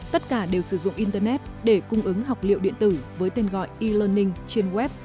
tất cả đều sử dụng internet để cung ứng học liệu điện tử với tên gọi e learning trên web